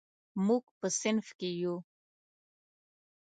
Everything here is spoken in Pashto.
موږ په صنف کې یو.